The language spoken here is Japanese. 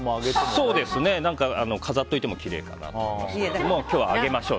そうですね、飾っておいてもきれいかなと思います。